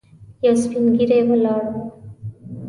یو سپين ږيری ولاړ و.